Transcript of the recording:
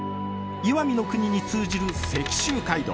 石見国に通じる石州街道。